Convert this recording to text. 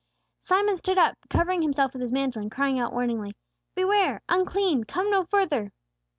Simon stood up, covering himself with his mantle, and crying out, warningly, "Beware! Unclean! Come no further!"